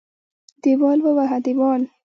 دېوال ووهه دېوال.